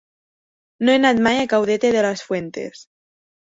No he anat mai a Caudete de las Fuentes.